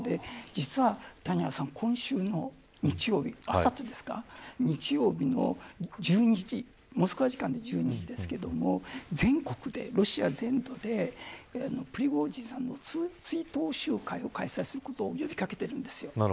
実は今週の日曜日あさってですか日曜日のモスクワ時間の１２時ですけれども全国で、ロシア全土でプリゴジンさんの追悼集会を開催することを呼び掛けているんです。